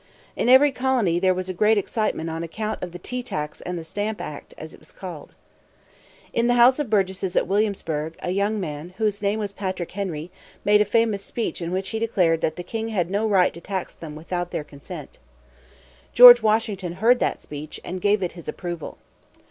In every colony there was great excitement on account of the tea tax and the stamp act, as it was called. In the House of Burgesses at Williamsburg, a young man, whose name was Patrick Henry, made a famous speech in which he declared that the king had no right to tax them without their consent. George Washington heard that speech, and gave it his approval.